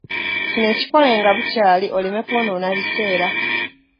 Kino kikole nga bukyali oleme kwonoona biseera.